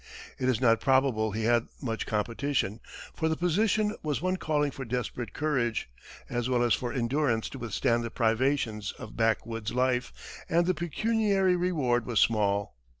It is not probable he had much competition, for the position was one calling for desperate courage, as well as for endurance to withstand the privations of back woods life, and the pecuniary reward was small.